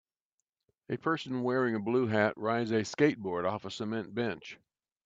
A person wearing a blue hat rides a skateboard off of a cement bench.